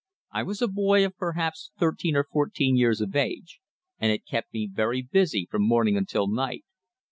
I was a boy of perhaps thirteen or fourteen years of age, and it kept me very busy from morning until night.